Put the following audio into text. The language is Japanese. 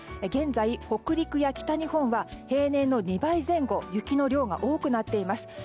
現在、北陸や北日本は平年の２倍前後雪の量が多くなっています。